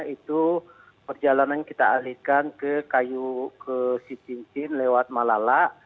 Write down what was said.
itu perjalanan kita alihkan ke kayu ke sipincin lewat malala